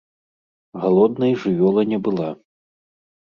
Галоднай жывёла не была.